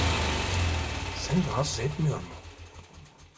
Seni rahatsız etmiyor mu?